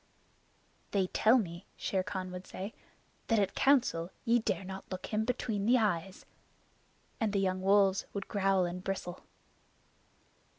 "They tell me," Shere Khan would say, "that at Council ye dare not look him between the eyes." And the young wolves would growl and bristle.